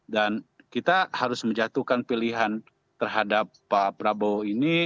dan kita harus menjatuhkan pilihan terhadap pak prabowo ini